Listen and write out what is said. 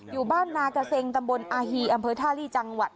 อยู่บ้านนากระเซ็งตำบลอาฮีอำเภอท่าลีจังหวัด